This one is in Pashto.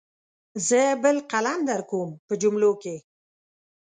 زه بل قلم درکوم په جملو کې.